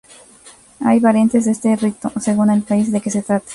Hay variantes de este rito según el país de que se trate.